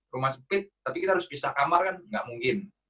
rumah sempit tapi kita harus pisah kamar kan nggak mungkin